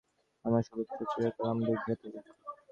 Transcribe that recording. আমার শুভেচ্ছা চিরকাল আপনাদের ঘিরে থাকুক।